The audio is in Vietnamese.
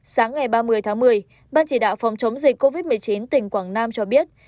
sáng ngày ba mươi tháng một mươi ban chỉ đạo phòng chống dịch covid một mươi chín tỉnh quảng nam cho biết